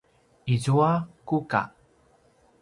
izua kuka